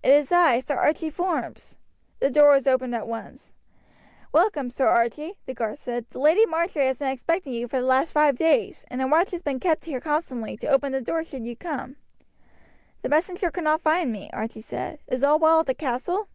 "It is I, Sir Archie Forbes." The door was opened at once. "Welcome, Sir Archie!" the guard said. "The Lady Marjory has been expecting you for the last five days, and a watch has been kept here constantly, to open the doors should you come." "The messenger could not find me," Archie said. "Is all well at the castle?"